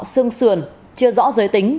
sương sườn chưa rõ giới tính